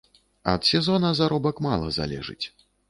Ад сезона заробак мала залежыць.